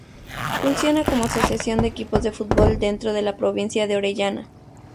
Funciona como asociación de equipos de fútbol dentro de la Provincia de Orellana.